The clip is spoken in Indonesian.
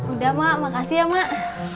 udah mak makasih ya mak